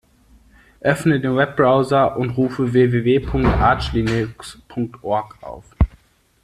Öffne den Webbrowser und rufe www.archlinux.org auf.